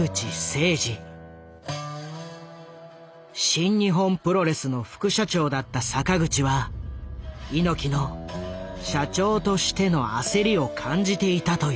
新日本プロレスの副社長だった坂口は猪木の社長としての焦りを感じていたという。